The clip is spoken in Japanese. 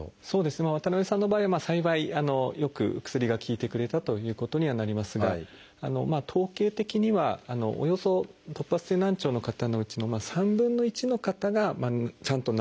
渡辺さんの場合は幸いよく薬が効いてくれたということにはなりますが統計的にはおよそ突発性難聴の方のうちの３分の１の方がちゃんと治ってくる。